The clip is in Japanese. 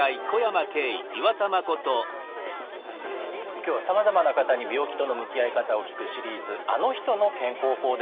今日はさまざまな方に病気との向き合い方を聞くシリーズ「あの人の健康法」です。